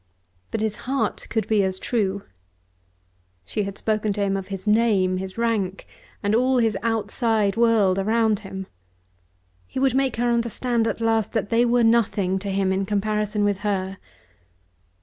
But his heart could be as true. She had spoken to him of his name, his rank, and all his outside world around him. He would make her understand at last that they were nothing to him in comparison with her.